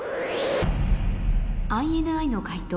ＩＮＩの解答